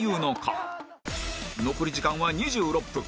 残り時間は２６分